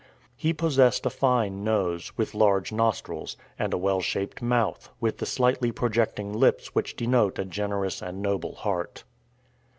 He possessed a fine nose, with large nostrils; and a well shaped mouth, with the slightly projecting lips which denote a generous and noble heart.